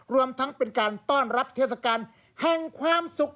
รวมทั้งเป็นการต้อนรับเทศกาลแห่งความสุข